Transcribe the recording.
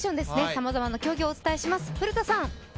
さまざまな競技をお伝えします、古田さん。